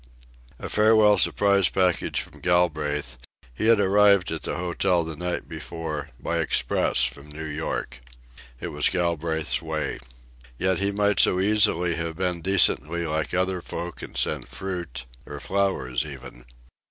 A farewell surprise package from Galbraith, he had arrived at the hotel the night before, by express from New York. It was Galbraith's way. Yet he might so easily have been decently like other folk and sent fruit ... or flowers, even.